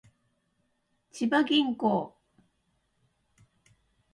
千葉銀行